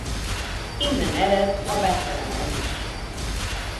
Innen ered a beceneve is.